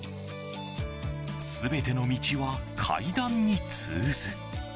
全ての道は階段に通ず。